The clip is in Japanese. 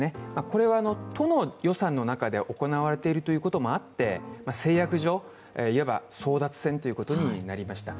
これは都の予算の中で行われているということもあって、制約上、いわば争奪戦ということになりました。